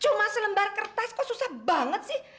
cuma selembar kertas kok susah banget sih